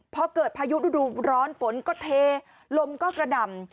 พอเกิดพายุฤดูร้อนฝนก็เทลมก็กระดำ